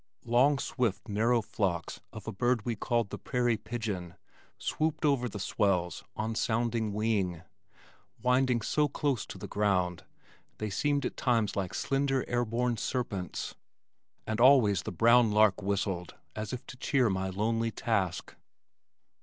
Long swift narrow flocks of a bird we called "the prairie pigeon" swooped over the swells on sounding wing, winding so close to the ground, they seemed at times like slender air borne serpents, and always the brown lark whistled as if to cheer my lonely task.